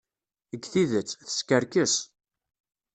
Deg tidet, teskerkes.